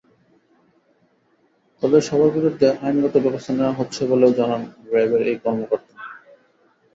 তাঁদের সবার বিরুদ্ধে আইনগত ব্যবস্থা নেওয়া হচ্ছে বলেও জানান র্যাবের এই কর্মকর্তা।